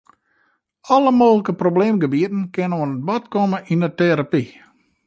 Alle mooglike probleemgebieten kinne oan bod komme yn 'e terapy.